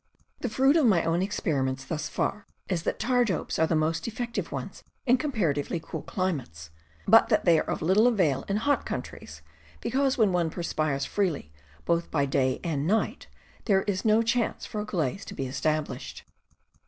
The fruit of my own experiments thus far is that tar dopes are the most effective ones in comparatively cool climates, but that they are of little avail in hot countries, because when one perspires freely both by night and day, there is no chance for a glaze to be es tablished.